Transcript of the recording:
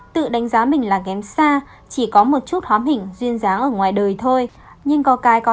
tự đánh giá mình là ghém xa chỉ có một chút hóm hình duyên dáng ở ngoài đời thôi nhưng có cái có